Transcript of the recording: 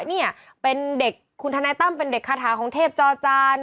เนี่ยคุณฐานายตั้มเป็นเด็กคาถาของเทพจอจารย์